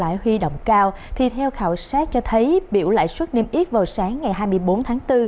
lãi huy động cao thì theo khảo sát cho thấy biểu lãi suất niêm yết vào sáng ngày hai mươi bốn tháng bốn